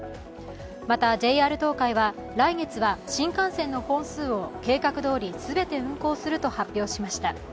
またＪＲ東海は、来月は新幹線の本数を計画どおり全て運行すると発表しました。